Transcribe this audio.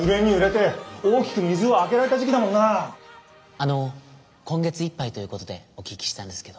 あの今月いっぱいということでお聞きしたんですけど。